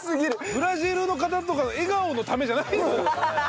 ブラジルの方とかの笑顔のためじゃないんですか？